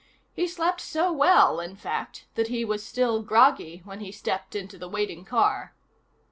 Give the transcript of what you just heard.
He slept so well, in fact, that he was still groggy when he stepped into the waiting car.